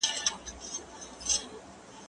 زه پرون درسونه تيار کړي!؟